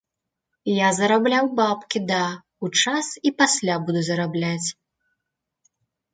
Я зарабляў бабкі да, у час і пасля буду зарабляць.